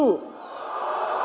tidak bisa kita bermanja manja